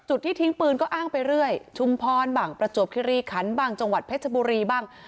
ที่ทิ้งปืนก็อ้างไปเรื่อยชุมพรบางประจวบคิริขันบางจังหวัดเพชรบุรีบ้าง